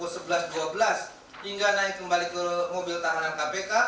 di rumah sakit mmc sekitar pukul sebelas dua belas hingga naik kembali ke mobil tahanan kpk